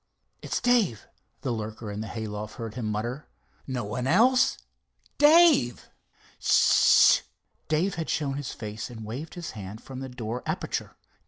"It's Dave," the lurker in the hay loft heard him mutter. "No one else—Dave." "S—st!" Dave had shown his face and waved his hand from the door aperture.